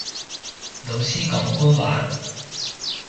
老師講官話